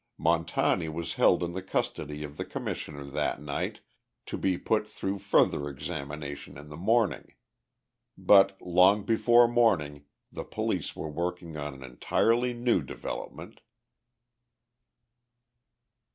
Montani was held in the custody of the Commissioner that night, to be put through further examination in the morning. But long before morning the police were working on an entirely new development.